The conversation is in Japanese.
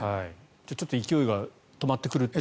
ちょっと勢いが止まってくるという。